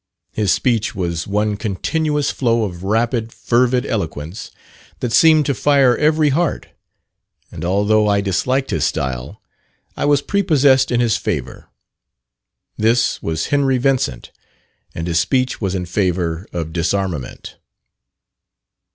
His speech was one continuous flow of rapid, fervid eloquence, that seemed to fire every heart; and although I disliked his style, I was prepossessed in his favour. This was Henry Vincent, and his speech was in favour of disarmament.